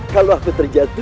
ketika kandung terjatuh